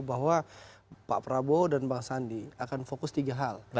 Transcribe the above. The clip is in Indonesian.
bahwa pak prabowo dan bang sandi akan fokus tiga hal